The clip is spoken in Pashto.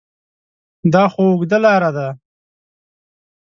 دا خو اوږده لاره ده ؟